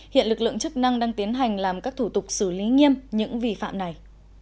hiện lực lượng chức năng đang tiến hành làm các thủ tục xử lý nghiêm những vi phạm này